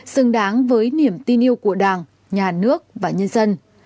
xứng đáng với niềm tin yêu của đảng nhà nước và nhân dân